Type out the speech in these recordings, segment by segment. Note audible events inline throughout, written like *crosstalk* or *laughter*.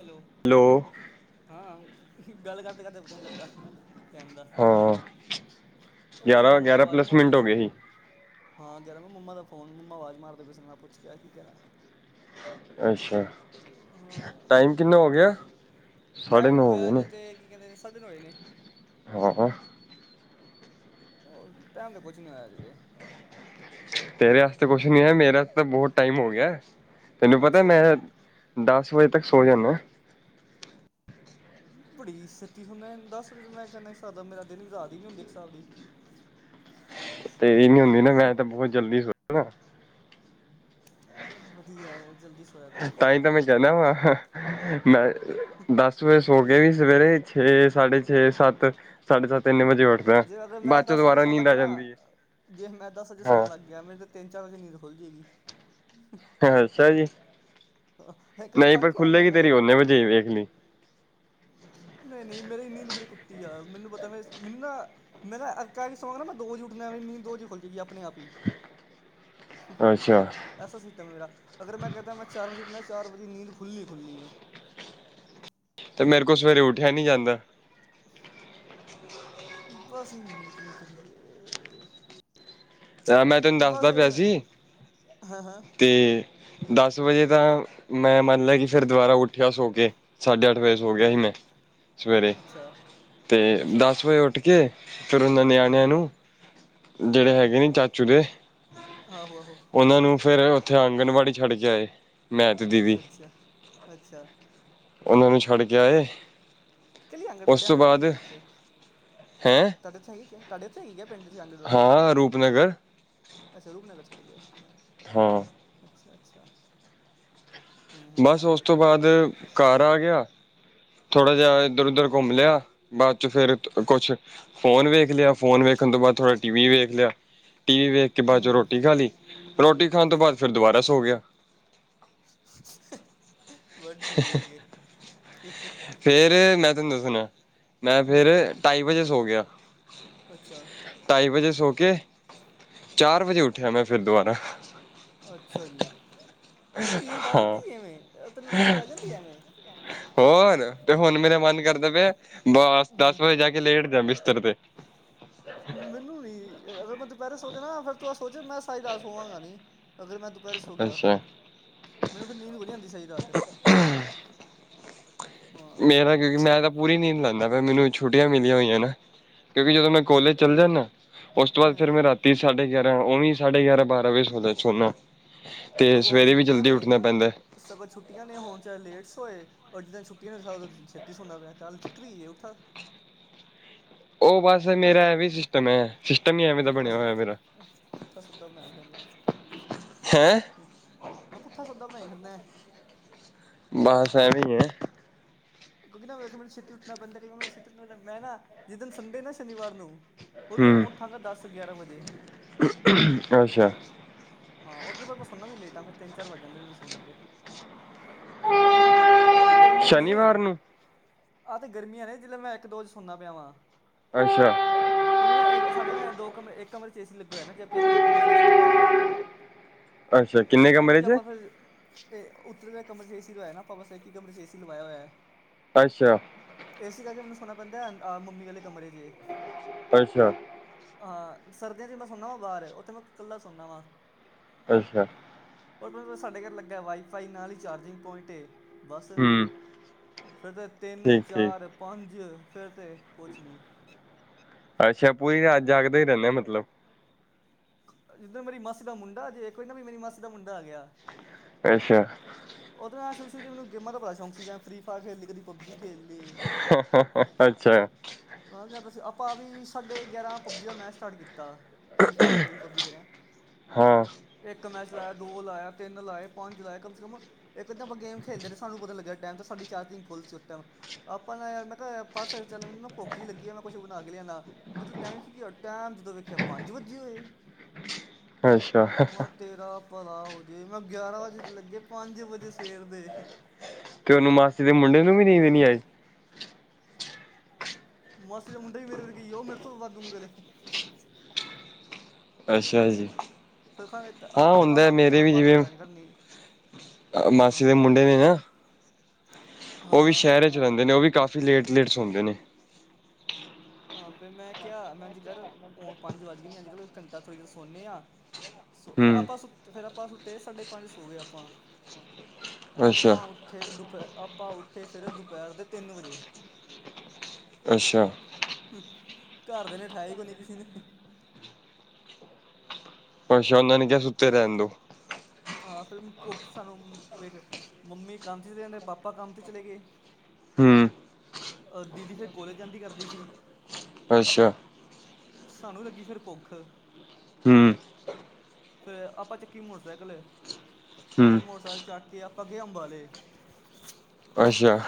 Hello hello ਹਾਂ ਗੱਲ ਕਰਦੇ ਕਰਦੇ ਪਤਾ ਨ ਲੱਗਾ ਟਮ ਦਾ ਹਾਂ ਉਹ ਬਸ ਗਿਆਰਾਂ ਮੰਮਾ ਨੇ ਗਿਆਰਾਂ ਆਵਾਜ਼ ਹੀ ਪਲੱਸ ਮਾਰ ਲਈ ਮਿੰਟ ਹੋ ਸੀ। ਗਏ ਹਾਂ ਕਹਿ ਰਿਹਾ ਮੈਂ, ਮੰਮਾ ਫੋਨ ਮੰਮਾ ਆਵਾਜ਼ ਮਾਰਦੇ ਪਏ ਸਨ। ਮੈਂ ਪੁੱਛਿਆ ਆਈ ਕਹੇ ਰਿਹਾ ਅੱਛਾ, ਹਾਂ ਟਾਈਮ ਕਿੰਨਾ ਹੋ ਗਿਆ, ਸਾਢੇ ਟਾਈਮ ਨੌ ਹੋ ਹੋਇਆ ਗਏ ਅਜੇ ਨੇ। ਕੀ? ਕਹਿੰਦੇ ਨੇ, ਸਾਢੇ ਨੌ ਹੋਏ ਨੇ। ਹਾਂ। ਹੋਰ ਟਾਈਮ ਤੇ ਕੁਛ ਨੀ ਹੋਇਆ ਅਜੇ ਤੇ। ਤੇਰੇ ਵਾਸਤੇ ਕੁਛ ਨੀ ਹੈ। ਮੇਰਾ ਤਾਂ ਬਹੁਤ ਟਾਈਮ ਹੋ ਗਿਆ, ਤੈਨੂੰ ਪਤਾ ਅੱਛਾ ਮੈਂ! ਦਸ ਵਜੇ ਤੱਕ ਸੋ ਜਾਂਦੇ। ਬੜੀ ਛੇਤੀ ਸੁੰਦਾ ਹੂੰਦਾ। ਦਸ ਵਜੇ ਮੈਂ ਕਹਿੰਦਾ ਇੱਕ ਸਾਲ ਦੀ ਮੇਰਾ ਦਿਨ ਵੀ ਰਾਤ ਹੀ ਨੀ ਹੁੰਦੀ ਇੱਕ ਸਾਲ ਦੀ। ਤੇ ਇਹ ਨੀ ਹੁੰਦੀ ਨਾ ਮੈਂ ਤਾਂ ਬਹੁਤ ਜਲਦੀ ਸੌ ਜਾਨਾ। ਚੱਲ ਵਧੀਆ, ਜਲਦੀ ਸੌ ਤਾਂ ਹੀ ਤਾਂ! ਮੈਂ ਕਹਿੰਦਾ ਵਾ, ਮੈਂ! ਦੱਸ ਵਜੇ ਸੌ ਕੇ ਵੀ ਸਵੇਰੇ ਛੇ, ਸਾਢੇ ਛੇ, ਸੱਤ। ਸਾਢੇ ਸੱਤ ਇੰਨੇ ਵਜੇ ਉੱਠਦਾ, ਜੇ ਅਗਰ ਮੈਂ ਬਾਅਦ ਚ ਦਸ ਵਜੇ ਦੁਬਾਰਾ ਸੌਣ ਨੀਂਦ ਲੱਗੇ ਆ ਜਾਂਦੀ ਹੈ। ਹਾਂ! ਯਾਰ ਮੇਰੀ ਤਾਂ ਤਿੰਨ ਚਾਰ ਵਜੇ, ਨੀਂਦ ਖੁੱਲ ਜਾਏਗੀ। ਅੱਛਾ ਜੀ, ਇੱਕ ਵਾਰੀ ਨਹੀਂ ਪਰ ਫੰਕ ਆਇਆ ਮੇਰੇ ਖੁੱਲੇਗੀ ਤੇਰੀ ਨਾਲ ਓਨੇ ਵਜੇ, ਵੇਖ ਲਈ! ਨਹੀਂ-ਨਹੀਂ ਮੇਰੀ ਨੀਂਦ ਬੜੀ ਕੁੱਤੀ ਆ,,, ਮੈਨੂੰ ਪਤਾ, ਮੈਨੂੰ ਨਾ! ਮੇਰਾ ਇਸ ਤਰ੍ਹਾਂ ਸੌਂਗ ਨਾ, ਮੈਂ ਦੋਜ਼ ਉੱਠਦਾ ਮੇਰੀ ਨੀਂਦ ਦੋ ਵੱਜੇ ਖੁੱਲ ਜਾਗੀ, ਆਪਣੇ ਆਪ ਹੀ। ਅੱਛਾ! ਐਸਾ ਸਿਸਟਮ ਮੇਰਾ, ਅਗਰ ਮੈਂ ਕਹਿੰਦਾ, ਮੈਂ ਚਾਰ ਵਜੇ ਉੱਠਣਾ, ਚਾਰ ਵੱਜੇ ਨੀਂਦ ਖੁੱਲਣੀ ਹੀ ਖੁੱਲਣੀ ਹੈ। ਤੇ ਮੇਰੇ ਕੋਲ, ਸਵੇਰੇ ਉੱਠਿਆ ਨਹੀਂ ਜਾਂਦਾ। *inaudible* ਬਸ,,,, ਕੀ ਕਰੀਏ? ਮੈਂ ਤੈਨੂੰ ਬਸ, ਦੱਸਦਾ ਪਿਆ ਸੀ ਹੈ ਹਾਂ! ਤੇ ਦਸ ਵਜੇ ਤਾਂ ਮੈਂ ਮੰਨ ਲਿਆ, ਕਿ ਫਿਰ ਦੁਬਾਰਾ ਉੱਠਿਆ ਸੌ ਕੇ। ਸਾਢੇ ਅੱਠ ਵਜੇ ਸੌ ਗਿਆ ਹੀ। ਹਾਂ ਮੈਂ ਸਵੇਰੇ! ਅੱਛਾ ਤੇ ਅੱਛਾ ਦਸ ਵਜੇ ਉੱਠ ਕੇ, ਫਿਰ ਉਹਨਾਂ ਹਾਂ ਨਿਆਣਿਆਂ ਨੂੰ ਜਿਹੜੇ ਹਾਂ ਹੈਗੇ ਨੇ, ਚਾਚੂ ਦੇ, ਆਹੋ ਆਹੋ ਉਹਨਾਂ ਨੂੰ ਫੇਰ ਉੱਥੇ ਆਂਗਨਵਾੜੀ ਛੱਡ ਕੇ ਆਏ। ਮੈਂ ਤੇ ਦੀਦੀ ਵੀ, ਅੱਛਾ ਅੱਛਾ ਉਹਨਾਂ ਨੂੰ ਛੱਡ ਕੇ ਆਏ। ਕਿਹੜੀ ਉਸ ਆਂਗੜਵਾੜੀ, ਤੋਂ ਆਂਗੜਵਾੜੀ ਬਾਅਦ ਕਿਹੜੀ ਇੱਥੇ, ਹੈਂ ਤੁਹਾਡੇ ਇੱਥੇ ਹੈਗੇ ਕਿ? ਤੁਹਾਡੇ ਉੱਥੇ ਹੈ ਗੀ ਆ ਪਿੰਡ ਚ ਆਂਗਣਵਾੜੀ? ਹਾਂ ਰੂਪਨਗਰ ਅੱਛਾ ਰੂਪਨਗਰ ਛੱਡ ਆਏ। ਹਾਂ! ਅੱਛਾ - ਬਸ ਉਸ ਤੋਂ ਬਾਅਦ ਘਰ ਆ ਗਿਆ। ਥੋੜਾ ਅੱਛਾ ਜਿਹਾ ਇੱਧਰ ਉੱਧਰ ਘੁੰਮ ਲਿਆ, ਬਾਅਦ ਚ ਫੇਰ, ਕੁਛ ਫੋਨ ਵੇਖ ਲਿਆ, ਫੋਨ ਵੇਖਣ ਤੋਂ ਬਾਅਦ, ਥੋੜਾ ਟੀਵੀ ਵੇਖ ਲਿਆ। ਟੀ ਵੀ ਵੇਖ ਕੇ, ਬਾਅਦ ਚੋਂ ਹੂੰ ਰੋਟੀ ਖਾ ਲਈ। ਰੋਟੀ ਖਾਣ ਤੋਂ ਅੱਛਾ ਬਾਅਦ ਫਿਰ ਦੁਬਾਰਾ ਸੌ ਗਿਆ। ਬਸ ਠੀਕ ਏ! ਫੇਰ,, ਮੈਂ ਤੈਨੂੰ ਦੱਸਣਾ! ਮੈਂ ਫਿਰ ਹੂੰ ਢਾਈ ਵਜੇ ਸੌ ਗਿਆ। ਅੱਛਾ ਢਾਈ ਵਜੇ ਸੌ ਕੇ, ਚਾਰ ਵਜੇ ਉੱਠਿਆ ਮੈਂ ਫਿਰ ਦੁਬਾਰਾ। ਅੱਛਾ ਜੀ, ਔਰ ਤੈਨੂੰ ਨੀਂਦ ਆ ਹਾਂ ਜਾਂਦੀ ਹੈ ਐਵੇਂ! ਤੈਨੂੰ ਨੀਂਦ ਆ ਜਾਂਦੀ ਹੈ ਐਵੇਂ! ਹੋਰ,, ਤੇ ਹੁਣ ਮੇਰਾ ਮਨ ਕਰਦਾ ਪਇਆ ਬਸ ਹਾਂ ਦਸ ਵਜੇ ਜਾ ਕੇ। ਲੇਟ ਜਾ ਬਿਸਤਰ ਤੇ। ਮੈਨੂੰ ਨੀ, ਅਗਰ ਮੈਂ ਦੁਪਹਿਰੇ ਸੌ ਜਾਣਾ। ਫਿਰ ਤੂੰ ਸੌ ਮੈਂ ਸਾਰੀ ਰਾਤ ਸੌਵਾਂਗਾ ਨੀ। ਅਗਰ ਮੈਂ ਦੁਪਹਿਰ ਸੌ ਗਿਆ। ਅੱਛਾ ਮੈਨੂੰ ਫਿਰ ਨੀਂਦ ਨਹੀ ਆਉਂਦੀ ਸਾਰੀ ਰਾਤ। ਹਾਂ ਮੇਰਾ! ਕਿਉਂਕਿ ਮੈਂ ਤਾਂ ਪੂਰੀ ਨੀਂਦ ਲੈਂਦਾ ਪਇਆ। ਮੈਨੂੰ ਛੁੱਟੀਆਂ ਮਿਲੀਆਂ ਹੋਈਆਂ ਨਾ, ਕਿਉਂਕਿ ਜਦੋਂ ਮੈਂ ਕੋਲੇਜ ਚੱਲ ਜਾਂਦਾ। ਉਸ ਤੋਂ ਬਾਅਦ ਹਾਂ ਫ਼ਿਰ ਮੈਂ ਰਾਤੀ ਸਾਢੇ ਗਿਆਰਾਂ, ਉਂਵੇ ਸਾਢੇ ਗਿਆਰਾਂ ਬਾਰਾਂ ਵਜੇ ਸਉਣਾ। ਤੇ ਸਗੋਂ ਹੁਣ ਸਵੇਰੇ ਵੀ ਛੁੱਟੀਆਂ ਜਲਦੀ ਨੇ ਉੱਠਣਾ ਪੈਂਦਾ। ਸਗੋਂ, ਛੁੱਟੀਆਂ ਨੇ ਹੁਣ ਚਾਹੇ ਲੇਟ ਸੋਏ। ਪਰ ਜਿਸ ਦਿਨ ਛੁੱਟੀ ਨਹੀਂ ਹੁੰਦੀ ਉਸ ਛੇਤੀ ਸੌਂਦਾ ਪਿਆ ਕੱਲ,, ਉਹ ਬਸ ਪੁੱਠਾ ਸੁੱ ਮੇਰਾ ਐਵੇਂ ਸਿਸਟਮ ਐ ਸਿਸਟਮ ਹੀ ਐਵੇਂ ਦਾ ਪੁੱਠਾ ਬਣਿਆ ਹੋਇਆ ਸੁੱਦਾ ਮੇਰਾ ਪੁੱਠਾ ਸੁੱਦਾ ਬਣਾਇ ਫਿਰੈਂ *inaudible* ਹੈਂ ਮੈਂ ਪੁਠਾ ਸੋਡ ਬਣਾਈ ਫਿਰ ਨਾ ਬਸ ਐ ਵੀੀ ਹੈ ਕਿਉਂਿ ਨਾ ਮੇਖ ਮੇਨ ਛੱ ਉੱਣਾ ਪੈਂਦਾ ਕਿ ਮਨ ਛੱ ਉੱਠਣਾ ਪੈਂ ਮੈਂ ਨਾ ਜਿਸ ਦਿਨ ਸੰਡੇ ਨਾ ਸ਼ਨੀਵਾਰ ਨੂੰ ਉਹਦੇ ਮ ਹੂੰ ਮੁ ਉੱਠਾਂਗਾ ਦਸ ਗਿਆਰਾਂ ਵਜੇ ਅੱਛਾ ਹਾਂ ਉੱਧਰ ਮੈਂ ਸੋਨਾ ਵੀ ਲੇਟ ਆ ਫਿਰ ਤਿੰਨ ਚਾਰ ਵਜ ਜਾਂਦੇ ਮੈਨੂੰ ਸੋਣ ਲੱਗੇ ਇਹ ਤੇ ਗਰਮੀਆਂ ਨੇ ਸ਼ਨੀਵਾਰ ਨੂੰ ਆਹ ਤੇ ਗਰਮੀਆਂ ਨੇ ਜਿਲੇ ਮੈਂ ਇੱਕ ਦੋ ਚ ਸੋਨਾ ਪਿਆ ਵਾਂ ਅੱਛਾ ਕਿਉਂਕਿ ਨਾ ਇੱਕ ਸਾਡੇ ਨਾ ਦੋ ਕਮਰੇ ਇਕ ਕਮਰੇ ਚ ਏ ਸੀ ਲੱਗਾ ਹੋਇਆ ਨਾ ਜੇ ਆਪਾਂ ਇੱਕ ਕਮਰੇ ਚ ਏ ਸੀ ਲਵਾਇਆ ਅੱਛਾ ਕਿੰਨੇ ਉਹਦੀ ਕਮਰੇ ਜ ਚ ਆਪਾਂ ਫੇਰ ਤੇ ਉੱਤਲੇ ਕਮਰੇ ਚ ਏ ਸੀ ਲਇਆ ਨਾ ਆਪਾ ਬਸ ਇਕ ਈ ਕਮਰੇ ਚ ' ਏ ਸੀ ਲਵਾਇਆ ਹੋਇਆ ਅੱਛਾ ਏ ਸੀ ਲਾ ਕੇ ਮੈਨੂੰ ਸੋਣਾ ਪੈਂਦਾ ਅ ਮੰਮੀ ਵਾਲੇ ਕਮਰੇ ਚ ਅੱਛਾ ਹਾਂ ਸਰਦੀਆਂ ਚ ਮੈਂ ਸੋਨਾ ਵਾ ਬਾਹਰ ਉਹਥੇ ਮੈਂ ਇਕੱਲਾ ਸੋਂਦਾ ਵਾ ਅੱਛਾ ਔਰ ਮਤਲਬ ਸਾਡੇ ਘਰ ਲੱਗਾ ਵਾਈਫਾਈ ਨਾਲ ਹੀ ਚਾਰਜਿੰਗ ਪੁਆਇੰਟ ਏ ਬਸ ਹੂੰ ਫੇਰ ਤਾਂ ਤਿੰਨ ਠੀਕ ਠੀਕ ਚਾਰ ਪੰਜ ਫੇਰ ਤੇ ਪੁੱਛ ਨਹੀਂ ਅੱਛਾ ਪੂਰੀ ਰਾਤ ਜਾਗਦੇ ਹੀ ਰਹਿੰਨੇ ਅ ਮਤਲਬ ਜਿੱਦਰ ਮੇਰੀ ਮਾਸੀ ਦਾ ਮੁੰਡਾ ਜੇ ਇੱਕ ਕੋਈ ਨਾ ਵੀ ਮੇਰੀ ਮਾਸੀ ਦਾ ਮੁੰਡਾ ਆ ਗਿਆ ਅੱਛਾ ਉਹਦੇ ਨਾਲ ਸ਼ੁਰੂ ਸ਼ੁਰੂ ਮੈਨੂੰ ਗੇਮਾਂ ਦਾ ਬੜਾ ਸ਼ੌਕ ਸੀ ਜਾਂ ਫਰੀਫਾਯਰ ਖੇਲੀ ਕਦੀ ਪਬਜੀ ਖੇਲੀ ਹ ਹ ਹ ਅੱਛਾ ਉਹ ਕਿਆ ਸੀ ਆਪਾਂ ਵੀ ਸਾਡੇ ਗਿਆਰਾਂ ਪਬਜੀ ਦਾ ਮੈਚ ਸਟਾਰਟ ਕੀਤਾ ਫਰੀਫਾਰ ਸਰੀਫਬੀ ਕਰ ਰਿਿਆ ਹਾਂ *unintelligible* ਇੱਕ ਮੈਚ ਲਾਇਆ ਦੋ ਲਾਇਆ ਤਿੰਨ ਲਾਏ ਪੰਜ ਲਾਏ ਕਮ ਸੇ ਕਮ ਇੱਕ ਤਾਂ ਆਪਾਂ ਗੇਮ ਖੇਡਦੇ ਸੀ ਸਾਨੂੰ ਪਤਾ ਲੱਗਿਆ ਟਾਈਮ ਸਾਡੀ ਚਾਰਜਿੰਗ ਫੁੱਲ ਸੀ ਉਸ ਟਾਈਮ ਆਪਾਂ ਨਾਲ ਯਾਰ ਮੈਂ ਕਿਹਾ ਪਾਸੇ ਚੱਲ ਮੈਨੂੰ ਭੁੱਖ ਜਿਹੀ ਲੱਗੀ ਆ ਮੈਂ ਕੁੱਛ ਬਨਾ ਕੇ ਲਿਆਨਾ ਮਤਲਬ ਟਾਈਮ ਕੀ ਹੋਇਆ ਟੈਮ ਜਦੋਂ ਵੇਖਿਆ ਪੰਜ ਵੱਜੇ ਹੋਏ ਅੱਛਾ ਮੈਂ ਤੇਰਾ ਭਲਾ ਹੋ ਜੇ ਮੈਂ ਗਿਆਰਾਂ ਵਜੇ ਦੇ ਲੱਗੇ ਪੰਜ ਵਜੇ ਸਵੇਰ ਦੇ ਤੇ ਤੇ ਉਹਨੂੰ ਮਾਸੀ ਦੇ ਮੁੰਡੇ ਨੂੰ ਵੀ ਨਹੀਂ ਦੇਣੀ ਆਈ ਮਾਸੀ ਦਾ ਮੁੰਡਾ ਵੀ ਮੇਰੇ ਵਰਗਾ ਈ ਏ *unintelligible* ਉਹ ਮੇਰੇ ਤੋਂ ਵਧਦੂ ਕਦੇ ਅੱਛਾ ਜੀ ਫਾਂ ਆਪਾਂ ਹੁੰਦਾ ਹਾਂ ਮੇਰੇ ਕੀਤਾ ਵੀ ਪਰ ਜਿਵੇਂ ਕਰਨਨੀ *unintelligible* ਆਹ ਮਾਸੀ ਦੇ ਮੁੰਡੇ ਨੇ ਨਾ ਹਾ ਉਹ ਵੀ ਸ਼ਹਿਰ 'ਚ ਰਹਿੰਦੇ ਨੇ ਉਹ ਵੀ ਕਾਫੀ ਲੇਟ ਲੇਟ ਸੌਂਦੇ ਨੇ ਹਾਂ ਫੇਰ ਮੈਂ ਕਿਹਾ ਮੈਂ ਅ ਏਂਜ ਕਰ ਹੁਣ ਪੰਜ ਵੱਜ ਗਏ ਨ ਏਂਜ ਕਰ ਹੁਨ ਘੰਟਾ ਥੋੜ੍ਹੀ ਦੇਰ ਸੋਨੇ ਆ ਸੁਤ ਹੂੰ ਆਪਾਂ ਸੁੱਤੇ ਫੇਰ ਆਪਾਂ ਸੁੱਤੇ ਸਾਢੇ ਪੰਜ ਸੋ ਗਏ ਆਪਾਂ ਅੱਛਾ ਆਪਾਂ ਉੱਠੇ ਦੁਪ ਆਪਾਂ ਉੱਠੇ ਫੇਰ ਦੁਪਹਿਰ ਦੇ ਤਿੰਨ ਵਜੇ ਅੱਛਾ ਘਰ ਦੇ ਨੇ ਠਾਏ ਕੋ ਨੀ ਕਿਸੇ ਨੇ ਅਛਾ ਉਹਨਾਂ ਨੇ ਕਿਹਾਿਆ ਸੁੱਤੇ ਰਹਿਨ ਦੋ ਹਾਂ ਫਿਰ ਭ ਸਾਨੂੰ ਵੇਟ *unintelligible* ਮੰਮੀ ਕੰਮ ਤੇ ਚਲੇ ਜਾਂਦੇ ਪਾਪਾ ਕੰਮ ਤੇ ਚਲੇ ਗਏ ਹੂੰ ਅਹ ਦੀਦੀ ਫੇਰ ਕੋਲੇਜ ਜਾਂਦੀ ਕਰਦੀ ਸੀ ਅੱਛਾ ਸਾਨੂੰ ਲੱਗੀ ਫੇਰ ਭੁੱਖ ਹੂੰ, ਫੇਰ ਆਪਾਂ ਚੱਕੀ ਮੋਟਰਸਾਈਕਲ ਫੇਰ ਹੂੰ ਮੋਟਰਸਾਈਕਲ ਚੱਕ ਕੇ ਆਪਾਂ ਗਏ ਅੰਬਾਲੇ। ਅੱਛਾ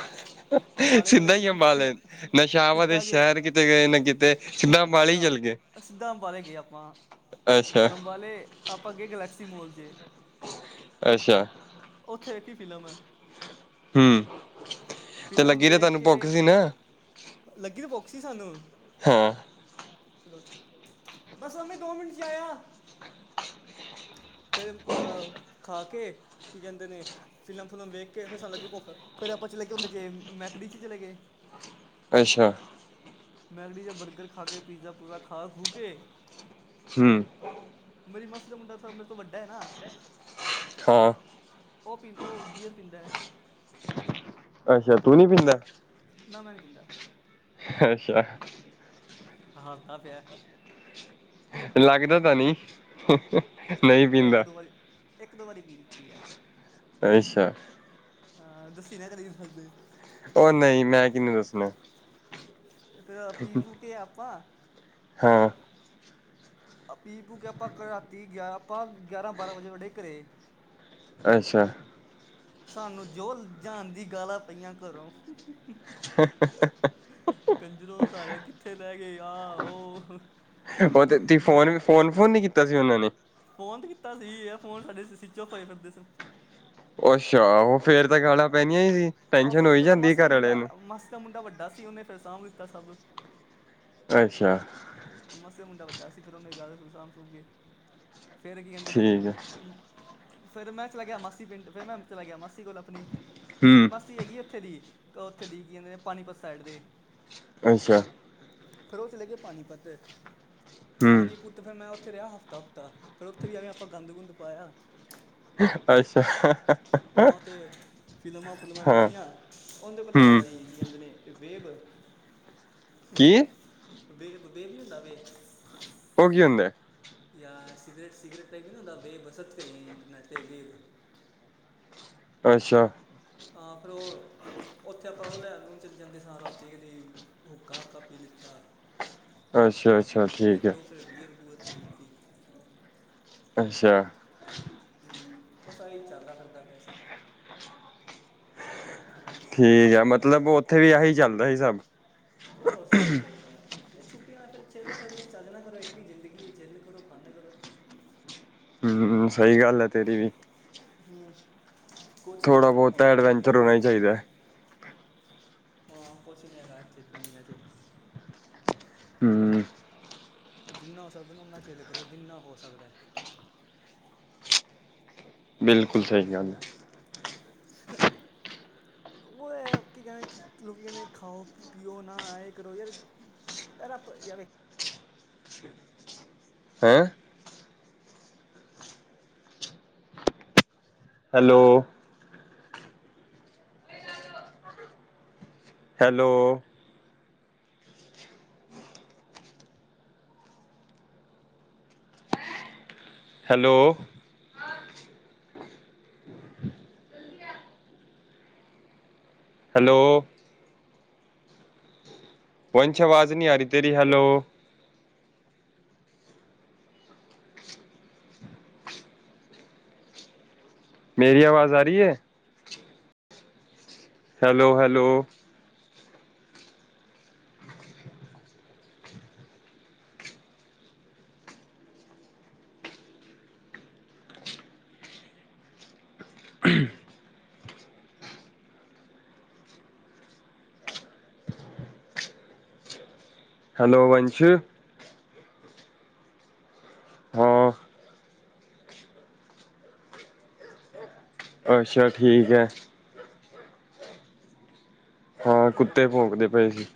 ਅੰਬਾਲੇ ਪਹਿਲੇ ਸਿੱਧਾ ਹੀ ਫਿਲਮ ਫਿਲ ਅੰਬਾਲੇ ਨਾ ਸ਼ਾਹਬਾਦ ਸਿੱਧਾ ਗਏ ਸ਼ਹਿਰ ਕਿਤੇ ਗਏ ਨਾ ਕਿਤੇ ਸਿੱਧਾ ਅੰਬਾਲੇ ਹੀ ਚੱਲ ਗਏ। ਸਿੱਧਾ ਅੰਬਾਲੇ ਗਏ ਆਪਾਂ ਅੱਛਾ, ਹਲੇ ਆਪਾਂ ਗਏ ਗਲੈਕਸੀ ਮੋਲ ਚ, ਅੱਛਾ, ਉੱਥੇ ਵੇਖੀ ਫਿਲਮ, ਹੂੰ, ਤੇ ਫਿਲਮ ਲੱਗੀ ਤੇ ਵੇਖ ਤੁਹਾਨੂੰ ਕੇ, ਭੁੱਖ ਸੀ ਨਾ ਲੱਗੀ ਤਾਂ ਭੁੱਖ ਸੀ ਸਾਨੂੰ ਹਾਂ, ਬਸ ਮੰਮੀ ਦੋ ਮਿੰਟ ਚ ਆਇਆ। ਫਿਰ ਅ ਖਾ ਕੇ, ਕੀ ਕਹਿੰਦੇ ਨੇ, ਫਿਲਮ ਫੁਲਮ ਵੇਖ ਕੇ ਫਿਰ ਸਾਨੂੰ ਲੱਗੀ ਭੁੱਖ, ਫਿਰ ਆਪਾਂ ਚਲੇ ਗਏ ਹੁੰਦੇ ਜੇ ਮੈਕੜੀ ਚ ਚਲੇ ਗਏ। ਅੱਛਾ, ਮੈਕੜੀ ਦੇ ਬਰਗਰ ਖਾ ਕੇ ਪੀਜ਼ਾ ਪੂਜ਼ਾ ਖਾ ਖੂ ਕੇ, ਹੂੰ, ਮੇਰੀ ਮਾਸੀ ਦਾ ਮੁੰਡਾ ਮੇਰੇ ਤੋਂ ਵੱਡਾ ਹੈ ਨਾ, ਹਾਂ, ਉਹ ਪੀਂ ਉਹ ਬੀਅਰ ਪੀਂਦਾ। ਅੱਛਾ ਤੂੰ ਨੀ ਪੀਂਦਾ, ਨਾ ਮੈ ਨਹੀ ਪੀਂਦਾ, ਅੱਛਾ, ਹਸਦਾ ਪਿਆ। ਲੱਗਦਾ ਤਾਂ ਨੀ, ਨਹੀਂ ਉਹ ਇੱਕ ਪੀਂਦਾ। ਦੋ ਵਾਰੀ ਇੱਕ ਦੋ ਵਾਰੀ ਪੀ ਲਿੱਤੀ ਯਾਰ, ਅੱਛਾ, ਹਾਂ ਦੱਸੀ ਨਾ ਕਲੇ ਫਦੇ ਉਹ ਨਹੀਂ, ਮੈਂ ਕਿਹਨੂੰ ਦੱਸਣਾ। ਇੱਥੇ ਪੀ-ਪੀੳ ਕੇ ਆਪਾਂ, ਹਾਂ, ਹੂੰ, ਪੀ ਪੂਕੇ ਆਪਾਂ ਰਾਤੀ ਗਿਆਰਾ ਆਪਾਂ ਗਿਆਰਾਂ ਬਾਰਾਂ ਵਜੇ ਵੜੇ ਘਰੇ, ਅੱਛਾ, ਸਾਨੂੰ ਜੋ ਜਹਾਨ ਦੀਆ ਗਾਲਾਂ ਪਈਆਂ ਘਰੋਂ, ਹ ਕੰਜਰੋਂ ਤਾਰਾ ਕਿੱਥੇ ਲੈ ਗਏ, ਆ ਉਹ ਉਹ ਤੁਸੀਂ ਮੈਂ ਫੋਨ-ਫੋਨ-ਫੋਨ ਨੀ ਕੀਤਾ ਸੀ ਉਹਨਾਂ ਨੇ, ਫੋਨ ਕੀਤਾ ਸੀ, ਇਹ ਫੋਨ ਸਾਡੇ ਸਵਿੱਚ ਆਫ ਹੋਏ ਫਿਰਦੇ ਸਨ। ਅੱਛਾ ਉਹ ਫੇਰ ਤਾਂ ਗਾਲਾਂ ਆਹ ਪੈਦੀਆਂ ਹੀ ਸੀ, ਉਹ ਟੈਨਸ਼ਨ ਫਿਰ ਹੋਈ ਤੇਲਾ ਜਾਂਦੀ ਮਾਸੀ ਸੀ ਦਾ ਘਰ ਵਾਲਿਆਂ ਮੁੰਡਾ ਨੂੰ ਮਾਸੀ ਦਾ ਮੁੰਡਾ ਵੱਡਾ ਸੀ, ਉਹਨੇ ਫਿਰ ਸਾਂਭ ਦਿੱਤਾ ਸਭ ਅੱਛਾ, ਮਾਸੀ ਦੇ ਮੁੰਡਾ ਵੱਡਾ ਸੀ, ਫਿਰ ਉਹਨੇ ਗੱਲ ਸਾਂਭ -ਸੂਂਭ ਕੇ ਫਿਰ ਕੀ ਕਹਿੰਦੇ ਨੇ, ਠੀਕ ਹੈ ਫਿਰ ਮੈਂ ਚਲਾ ਗਿਆ ਮਾਸੀ ਪਿੰਡ, ਫਿਰ ਮੈਂ ਚਲਾ ਗਿਆ ਮਾਸੀ ਕੋਲ ਆਪਣੀ, ਮੇਰੀ ਹਮ ਮਾਸੀ, ਹੈਗੀ, ਉੱਥੇ ਦੀ ਉੱਥੇ ਦੀ ਕੀ ਕਹਿੰਦੇ ਨੇ ਪਾਣੀਪਤ ਸਾਈਡ ਦੇ, ਅੱਛਾ, ਫਿਰ ਉਹ ਚਲੇੈ ਗਏ ਪਾਣੀਪਤ ਹਮ ਪਾਣੀ ਪੁੱਤ ਤੇ ਫੇਰ ਮੈਂ ਉੱਥੇ ਰਿਹਾ ਹਫ਼ਤਾ-ਹਫਤਾ, ਫੇਰ ਉੱਥੇ ਵੀ ਜਾਕੇਆਪਾਂ ਗੰਦ ਗੁੰਦ ਪਾਇਆ। ਅੱਛਾ ਹਾਂ ਉੱਥੇ ਫਿਲਮਾਂ ਫੁਲਮਾਂ ਹਾਂ ਵੇਖੀਆਂ, ਉਹਦੇ ਕੋਲ ਹੈਗਾ ਹਮ ਸੀ ਕੀ ਕਹਿੰਦੇ ਨੇ ਵੇਬ। ਕੀ ਵੇਬ-ਵੇਬ ਨੀ ਹੁੰਦਾ ਵੇ। ਓਹ ਕੀ ਹੁੰਦਾ ਅ? ਯਾ ਸਿਗਰੇਟ-ਸਿਗਰੇਟ ਟਾਈਪ ਨਾ ਉਦਾ ਬੇਬ ਸਰਚ ਕਰੀ ਇੰਟਰਨੈਟ ਤੇ ਵੇਬ। ਅੱਛਾ। ਹਾ ਫਿਰ ਹੋਰ ਉੱਥੇ ਆਪਾਂ ਉਹ ਲੈਣ ਲੂ ਚਲੇ ਜਾਂਦੇ ਸਾਂ ਰਾਤੀ ਕਦੀ ਹੁੱਕਾ ਹਾਕਾ ਪੀ ਲੀਤਾ। ਅੱਛਾ-ਅੱਛਾ ਠੀਕ ਐ। ਫੇਰ ਬੀਅਰ ਬੂਵਰ ਪੀ ਲੀਤੀ। ਅੱਛਾ। ਹੂੰ, ਬਸ ਆਹੀ ਚੱਲਦਾ ਫਿਰਦਾ ਪਿਆ ਸੀ। ਹੂੰ ਠੀਕ ਐ, ਮਤਲਬ ਉੱਥੇ ਵੀ ਆਹੀ ਚੱਲਦਾ ਸੀ ਸਭ। ਹੋਰ ਸਭ ਚੱਲਦਾ ਅ। ਜੇ ਛੁਟੀਆਂ ਫਿਰ ਚਿੱੱਲ ਕਰਨੀ ਚੰਜ ਨਾਅ ਕਰੀ ਇੱਕ ਈ ਜ਼ਿੰਦਗੀ ਏ ਚਿੱੱਲ ਕਰੋ, ਫਨ ਕਰੋ। ਹੂੰ ਸਹੀ ਗੱਲ ਏ ਤੇਰੀ ਵੀ। ਹੂੰ ਕੁਛ ਨਹੀਂ ਥੋੜ੍ਹਾ ਰਹਿਣਾ ਬਹੁਤਾ ਇੱਥੇ ਚਿੱਲ ਐਡਵੈਂਚਰ ਕਰੋ ਹੋਣਾ ਈ ਚਾਈਦਾ ਐ। ਹਾਂ ਕੁਛ ਨੀ ਹੈਗਾ ਇੱਥੇ ਦੁਨੀਆਂ 'ਚ। ਹੂੰ ਜਿੰਨਾ ਹੋ ਸਕਦਾ ਨਾ ਓਨਾ ਚਿਲ ਕਰੋ ਜਿੰਨਾ ਹੋ ਸਕਦੇਅ। ਹੂੰ ਬਿਲਕੁਲ ਸਹੀ ਗੱਲ ਹੈ ਉਹ ਐ ਕੀ ਕਹਦੇ ਲੋਕ ਕਹਿੰਦੇ ਖਾਓ ਪੀਓ ਨਾਂ ਇਹ ਕਰੋ ਯਾਰ ਰੱਤ ਯਾਰ ਹੈਂ ਹੈਲੋ ਹੈਲੋ ਹੈਲੋ ਹੈਲੋ ਵੰਨਸ਼ ਅਵਾਜ ਨੀ ਆ ਰੀ ਤੇਰੀ ਹੈਲੋ ਮੇਰੀ ਆਵਾਜ਼ ਆ ਰੀ ਐ? ਹੈਲੋ-ਹੈਲੋ ਹੈਲੋ ਵੰਨਸ਼ ਹਾਂ ਅੱਛਾ ਠੀਕ ਐ। ਹਾਂ ਕੁੱਤੇ ਭੋਕਦੇ ਪਏ ਸੀ।